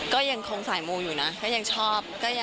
ก็ยังคงสายมูอยู่นะก็ยังชอบ